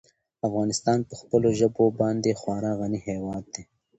افغانستان په خپلو ژبو باندې خورا غني هېواد دی.